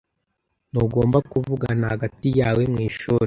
Ntugomba kuvugana hagati yawe mwishuri.